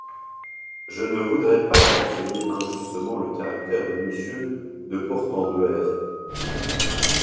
Je ne voudrais pas soupçonner injustement le caractère de monsieur de Portenduère...